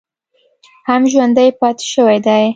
هم ژوندی پاتې شوی دی